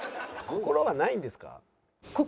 心はないんですか？